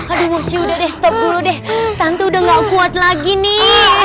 aduh murcy udah deh stop dulu deh tante udah gak kuat lagi nih